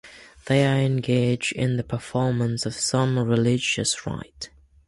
They are engaged in the performance of some religious rite.